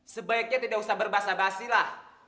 sebaiknya tidak usah berbasa basi lah